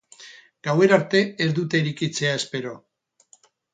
Gauerarte ez dute irekitzea espero.